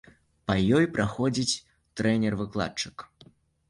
Па ёй праходзіць трэнер-выкладчык.